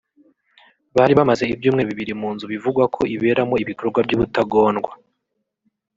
bari bamaze ibyumweru bibiri mu nzu bivugwa ko iberamo ibikorwa by’ubutagondwa